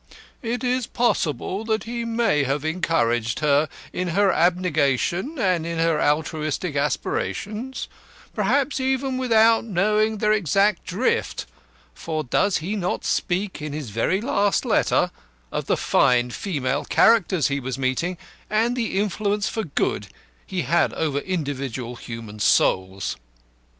It is possible that he may have encouraged her in her abnegation and in her altruistic aspirations, perhaps even without knowing their exact drift, for does he not speak in his very last letter of the fine female characters he was meeting, and the influence for good he had over individual human souls?